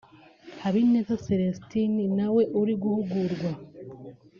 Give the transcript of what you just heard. Habineza Celestin na we uri guhugurwa